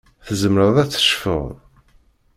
Tzemreḍ ad tecfeḍ.